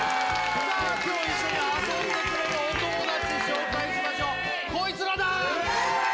さあ今日一緒に遊んでくれるお友達紹介しましょうこいつらだ！